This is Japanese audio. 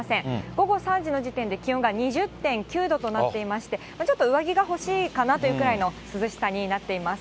午後３時の時点で気温が２０．９度となっていまして、ちょっと上着が欲しいかなというくらいの涼しさになっています。